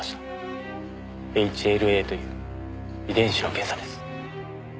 ＨＬＡという遺伝子の検査です。